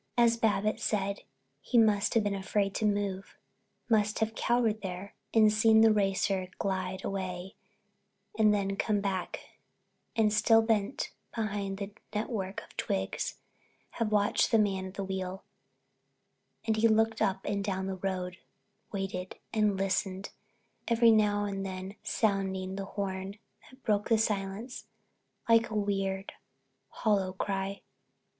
As Babbitts said, he must have been afraid to move, must have cowered there and seen the racer glide away and then come back; and still bent behind the network of twigs have watched the man at the wheel, as he looked up and down the road, waited and listened, every now and then sounding the horn, that broke into the silence like a weird, hollow cry.